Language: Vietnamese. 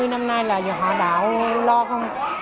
hai mươi năm nay là họ đạo lo không